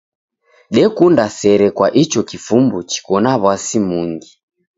Dekunda sere kwa icho kifumbu chiko na w'asi mungi.